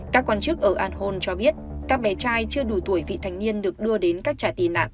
các quan chức ở alhone cho biết các bé trai chưa đủ tuổi vị thành niên được đưa đến các trại tị nạn